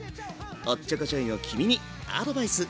おっちょこちょいの君にアドバイス。